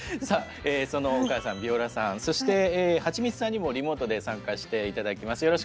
さあそのお母さんビオラさんそしてはちみつさんにもリモートで参加して頂きます。